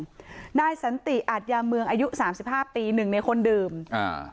ท่านนายสัทธิอาทยามืองอายุ๓๕ปี๑ในคนดื่มค่ะ